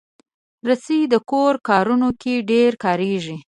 رسۍ د کور کارونو کې ډېره کارېږي.